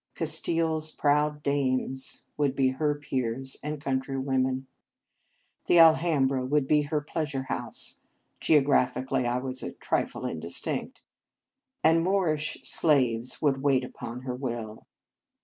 " Castile s proud dames " would be her peers and countrywomen. The Alhambra would be her pleasure house (geographically I was a trifle indistinct), and Moorish slaves would wait upon her will.